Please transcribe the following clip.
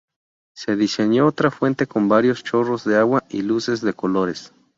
Se diseñó otra fuente con varios chorros de agua y luces de colores.